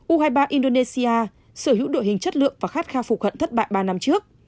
u hai mươi ba indonesia sở hữu đội hình chất lượng và khát khao phục hận thất bại ba năm trước